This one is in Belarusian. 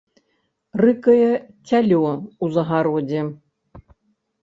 Рыкае цялё ў загародзе.